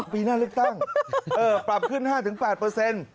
ปีหน้าเลือกตั้งปรับขึ้น๕๘